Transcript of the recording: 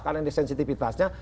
karena ini sensitifitasnya